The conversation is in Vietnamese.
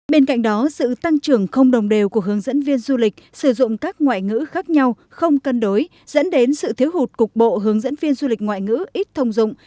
bên cạnh đó sự tăng trưởng không đồng đều của hướng dẫn viên du lịch sử dụng các ngoại ngữ khác nhau không cân đối dẫn đến sự thiếu hụt cục bộ hướng dẫn viên du lịch ngoại ngữ ít thông dụng